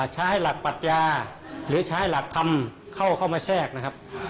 ใช้หลักปรัชญาหรือใช้หลักธรรมเข้ามาแทรกนะครับ